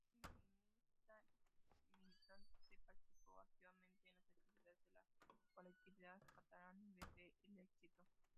Catalanista militante, participó activamente en las actividades de la colectividad catalana desde el exilio.